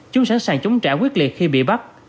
chúng sẵn sàng chống trả quyết liệt khi bị bắt